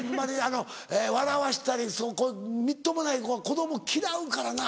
笑わしたりみっともない子供嫌うからな。